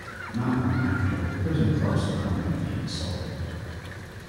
Not long after, the prison closed permanently and sold.